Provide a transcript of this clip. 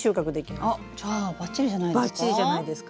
じゃあバッチリじゃないですか？